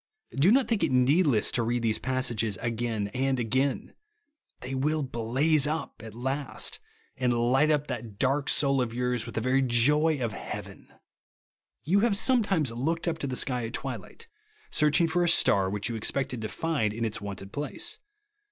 Do not think it needless to read these passages again and again. They will blaze U23 at last ; and light up that dark soul of yours wdth the very joy of hea^ven. You have sometimes looked up to the sky at twilight, searching for a star which you expected to find in its wonted place.